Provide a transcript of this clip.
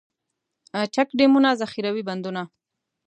چک ډیمونه، ذخیروي بندونه.